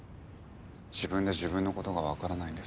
自分で自分の事がわからないんです。